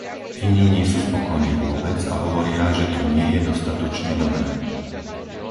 Iní nie sú spokojní vôbec a hovoria, že to nie je dostatočne dobré.